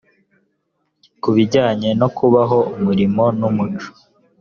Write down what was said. kubijyanye no kubaho umurimo n umuco